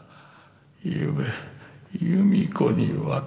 ゆうべ弓子に渡した。